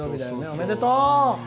おめでとう！